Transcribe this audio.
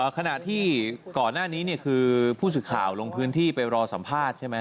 ขณะที่ก่อนหน้านี้คือผู้สื่อข่าวลงพื้นที่ไปรอสัมภาษณ์ใช่ไหม